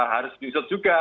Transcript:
harus diusut juga